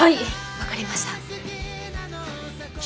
分かりました。